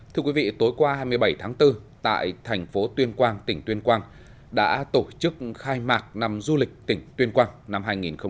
thưa quý vị tối qua hai mươi bảy tháng bốn tại thành phố tuyên quang tỉnh tuyên quang đã tổ chức khai mạc năm du lịch tỉnh tuyên quang năm hai nghìn hai mươi bốn